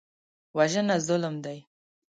وژنه ظلم دی